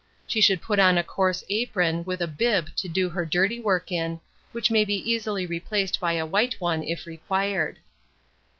She should put on a coarse apron with a bib to do her dirty work in, which may be easily replaced by a white one if required.